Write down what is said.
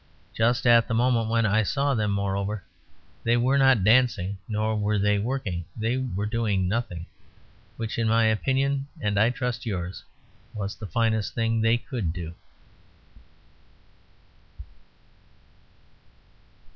Just at the moment when I saw them, moreover, they were not dancing; nor were they working. They were doing nothing. Which, in my opinion (and I trust yours), was the finest thing they could do.